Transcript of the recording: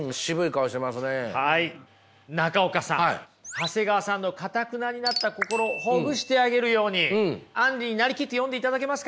長谷川さんのかたくなになった心をほぐしてあげるようにアンリに成りきって読んでいただけますか？